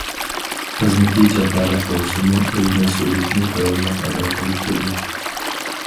خىزمىتى جاپالىق بولسىمۇ ئۆز مەسئۇلىيىتىنى داۋاملىق ئادا قىلىپ كەلگەن.